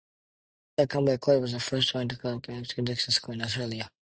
St Columba College was the first joint Catholic and Anglican coeducational school in Australia.